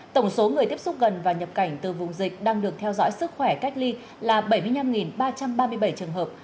tổng số người tiếp xúc gần và nhập cảnh từ vùng dịch đang được theo dõi sức khỏe cách ly là bảy mươi năm ba trăm ba mươi bảy trường hợp